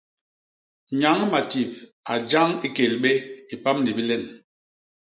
Nyañ Matip a jañ i Kélbé i pam ni bilen.